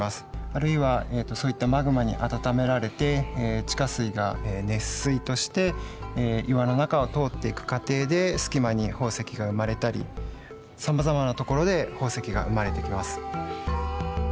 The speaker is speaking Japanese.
あるいはそういったマグマに温められて地下水が熱水として岩の中を通っていく過程で隙間に宝石が生まれたりさまざまなところで宝石が生まれてきます。